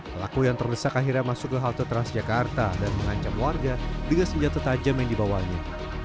pelaku yang terdesak akhirnya masuk ke halte transjakarta dan mengancam warga dengan senjata tajam yang dibawanya